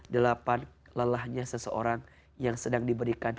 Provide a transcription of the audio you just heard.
delapan lelahnya seseorang yang sedang diberikan